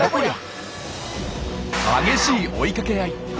激しい追いかけ合い！